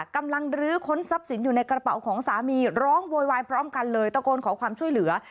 กำลังลื้อค้นทรัพย์สินอยู่ในกระเป๋าของสามีร้องโวยวายพร้อมกันเลยตะโกนขอความช่วยเหลือ